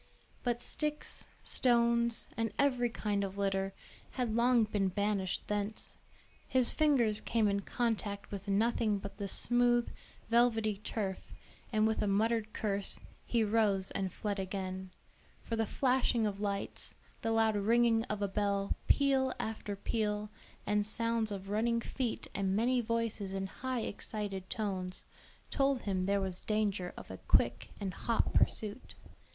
But sticks, stones, and every kind of litter, had long been banished thence; his fingers came in contact with nothing but the smooth, velvety turf, and with a muttered curse, he rose and fled again; for the flashing of lights, the loud ringing of a bell, peal after peal, and sounds of running feet and many voices in high excited tones, told him there was danger of a quick and hot pursuit.